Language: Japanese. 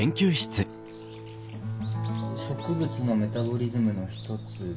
「植物のメタボリズムの一つで」。